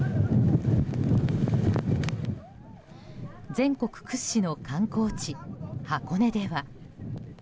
全国屈指の観光地箱根では。